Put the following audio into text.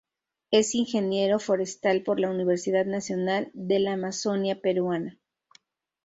Es ingeniero forestal por la Universidad Nacional de la Amazonía Peruana.